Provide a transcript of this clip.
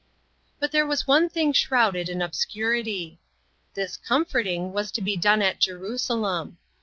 But there was one thing shrouded in ob scurity. This "comforting" was to be done at Jerusalem.